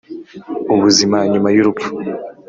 ubuzima nyuma y'urupfu